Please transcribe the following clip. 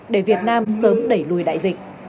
để việt nam sớm đẩy lùi đại dịch